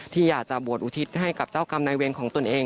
ที่อยากจะบวชอุทิศให้กับเจ้ากรรมนายเวรของตนเอง